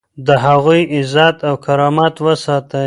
د هغوی عزت او کرامت وساتئ.